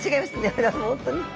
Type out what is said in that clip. これはもう本当に。